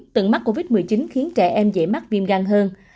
từng mắc covid một mươi chín khiến trẻ em dễ mắc viêm gan hơn